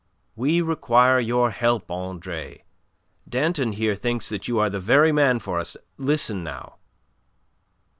"We require your help, Andre. Danton here thinks that you are the very man for us. Listen now..."